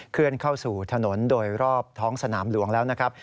เข้าสู่ถนนโดยรอบท้องสนามหลวงแล้วนะครับ